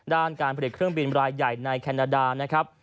ด้านการผลิตเครื่องบินรายใหญ่ในแคนาดา